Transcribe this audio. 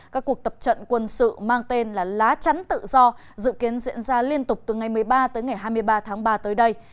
các cuộc tập trận quân sự mang tên là lá chắn tự do dự kiến diễn ra liên tục từ ngày một mươi ba tới ngày hai mươi ba tháng ba tới đây